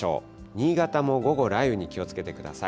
新潟も午後、雷雨に気をつけてください。